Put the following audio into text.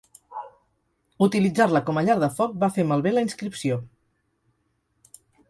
Utilitzar-la com a llar de foc va fer malbé la inscripció.